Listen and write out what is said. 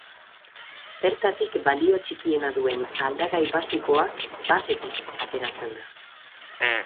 Bertatik balio txikiena duen aldagai basikoa basetik ateratzen da.